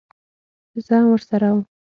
زه هم ورسره وم.